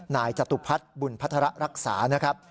จตุพัฒน์บุญพัฒระรักษานะครับ